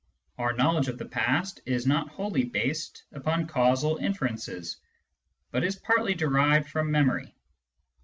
Our knowledge of the past is not wholly based upon causal inferences, but is partly derived from memory.